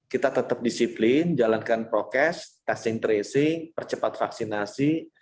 kita tetap disiplin jalankan prokes testing tracing percepat vaksinasi